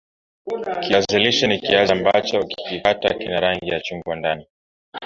Kiazi lishe ni kiazi ambacho ukikikata kina rangi ya chungwa ndani